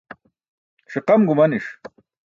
ṣiqam gumaniṣ